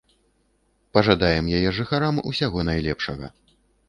Пажадаем яе жыхарам усяго найлепшага.